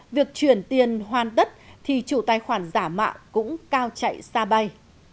việc chuyển tiền hoàn tất thì chủ tài khoản giả mạo cũng cao chạy xa bay